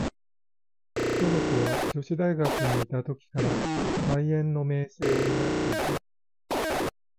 信子は女子大学にゐた時から、才媛の名声を担ってゐた。